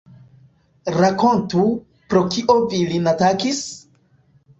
Rakontu, pro kio vi lin atakis?